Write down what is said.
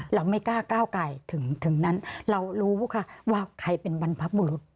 เราไม่กล้าก้าวไกลถึงนั้นเรารู้ค่ะว่าใครเป็นบรรพบุรุษ